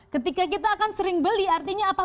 ketika kita akan sering beli artinya apa